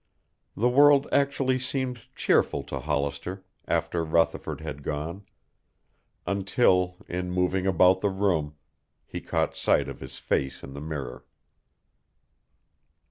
The world actually seemed cheerful to Hollister, after Rutherford had gone, until in moving about the room he caught sight of his face in the mirror.